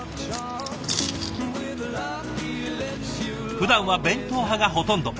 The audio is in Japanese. ふだんは弁当派がほとんど。